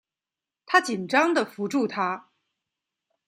她紧张的扶住她